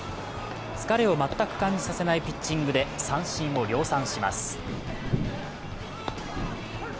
疲れを全く感じさせないピッチングで三振を量産します。